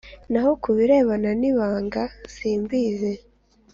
Naho ku birebana n ibanga simbizi